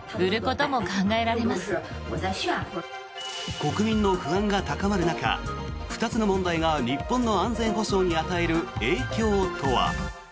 国民の不安が高まる中２つの問題が日本の安全保障に与える影響とは。